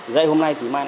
dạy hôm nay thì mai